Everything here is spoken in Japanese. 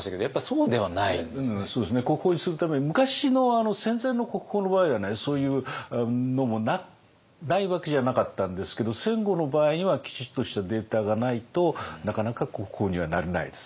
そうですね国宝にするために昔の戦前の国宝の場合はねそういうのもないわけじゃなかったんですけど戦後の場合にはきちっとしたデータがないとなかなか国宝にはなれないですね。